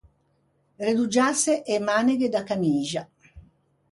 Redoggiâse e maneghe da camixa.